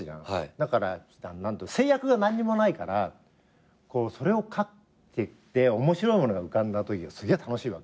だから制約が何にもないからそれを書けて面白いものが浮かんだときがすげえ楽しいわけ。